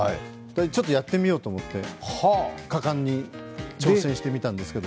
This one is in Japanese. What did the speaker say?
ちょっとやってみようと思って、果敢に挑戦してみたんですけど。